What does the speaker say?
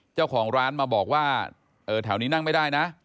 เจ้าของร้านมาบอกว่าแถวนี้นั่งไม่ได้นะ